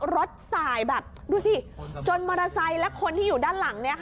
รถสายแบบดูสิจนมอเตอร์ไซค์และคนที่อยู่ด้านหลัง